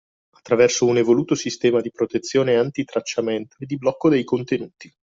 Attraverso un evoluto sistema di protezione antitracciamento e di blocco dei contenuti.